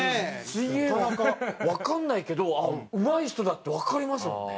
水泳わかんないけどうまい人だってわかりますもんね。